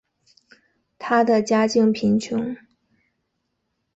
她的家境贫穷。